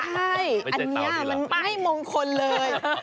ใช่อันนี้มันไม่มงคลเลย